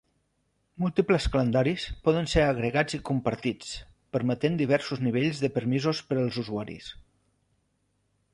Múltiples calendaris poden ser agregats i compartits, permetent diversos nivells de permisos per als usuaris.